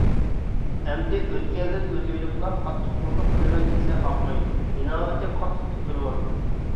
ئەمدى ئۆتكەلدىن ئۆتۈۋېلىپلا قاتتىق قوللۇق قىلىمەن دېسە ئاقمايدۇ، ئىناۋىتىنى قاتتىق تۆكۈۋالىدۇ.